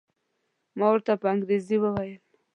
ما ورته په انګریزي وویل.